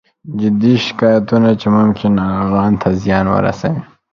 جدي شکایتونه چې ممکن ناروغانو ته زیان ورسوي